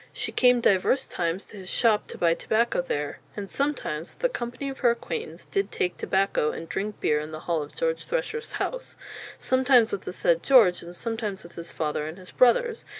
She came divers tymes to his shoppe to buy tobacco there; and sometimes, with company of her acquaintance, did take tobacco and drincke beere in the hall of George Thresher's house, sometimes with the said George, and sometimes with his father and his brothers.